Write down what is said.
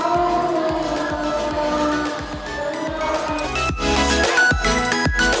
tapi ini lebih enak